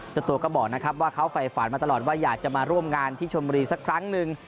เจ้าตัวก็บอกนะครับว่าเขาไฟฝันมาตลอดว่าอยากจะมาร่วมงานที่ชนบุรีสักครั้งหนึ่ง